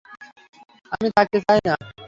আমি থাকতে চাই না।